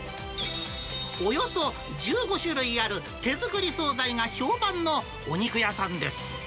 およそ１５種類ある手作り総菜が評判のお肉屋さんです。